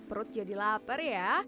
perut jadi lapar ya